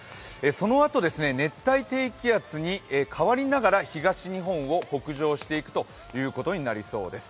そのあと、熱帯低気圧に変わりながら東日本を北上していくことになりそうです。